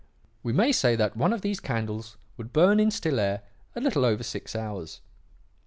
We may say that one of these candles would burn in still air a little over six hours.